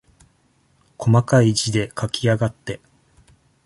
こまかい字で書きやがって。